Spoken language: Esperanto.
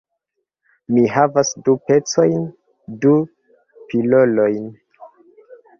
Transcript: Mi havas du pecojn. Du pilolojn.